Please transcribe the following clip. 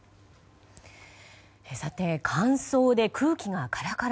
さて乾燥で空気がカラカラ。